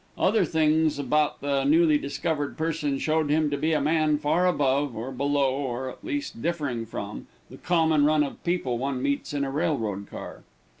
Other things about the newly discovered person showed him to be a man far above, or below, or, at least, differing from, the common run of people one meets in a railroad car.